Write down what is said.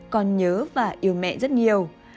con nhớ và yêu mẹ rất nhiều